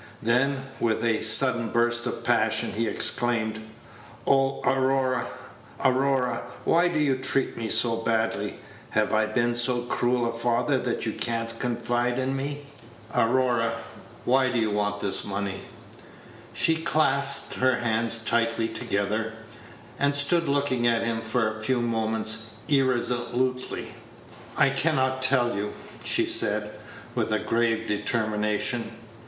Then, with a sudden burst of passion, he exclaimed, "Oh, Aurora, Aurora, why do you treat me so badly? Have I been so cruel a father that you can't confide in me. Aurora, why do you want this money?" She clasped her hands tightly together, and stood looking at him for a few moments irresolutely. "I can not tell you," she said, with grave determination.